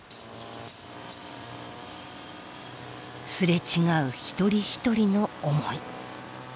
擦れ違う一人一人の思い。